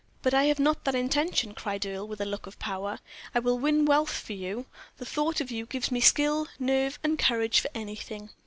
"But I have not that intention," cried Earle, with a look of power. "I will win wealth for you the thought of you gives me skill, nerve, and courage for anything.